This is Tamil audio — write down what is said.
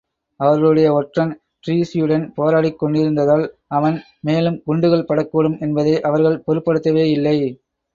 அவர்களுடைய ஒற்றன் டிரீஸியுடன் போராடிக் கொண்டிருந்ததால் அவன் மேலும் குண்டுகள் படக்கூடும் என்பதை அவர்கள் பொருட்படுத்தவேயில்லை.